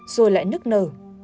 rồi lại nức nở